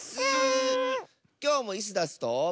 きょうもイスダスと。